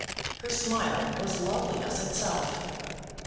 Her smile was loveliness itself.